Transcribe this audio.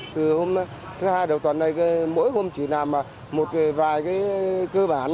từ hôm thứ hai đầu tuần này mỗi hôm chỉ làm một vài cái cơ bản